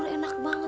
masukin ke bedung